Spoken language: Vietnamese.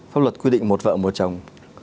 pháp luật quy định một vợ một chồng